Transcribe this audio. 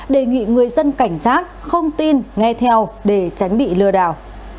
đề nghị người dân cảnh giác không tin nghe theo để tránh bị lừa đảo